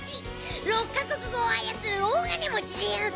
６か国語を操る大金持ちでヤンス！